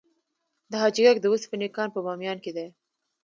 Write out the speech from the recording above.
د حاجي ګک د وسپنې کان په بامیان کې دی